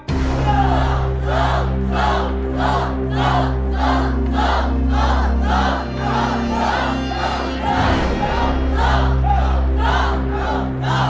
สู้